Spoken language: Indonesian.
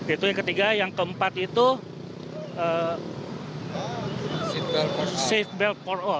itu yang ketiga yang keempat itu safe belt for all